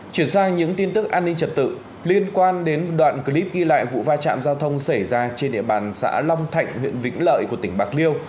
chuyển sang những tin tức an ninh trật tự liên quan đến đoạn clip ghi lại vụ va chạm giao thông xảy ra trên địa bàn xã long thạnh huyện vĩnh lợi của tỉnh bạc liêu